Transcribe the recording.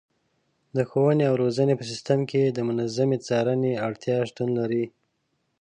د ښوونې او روزنې په سیستم کې د منظمې څارنې اړتیا شتون لري.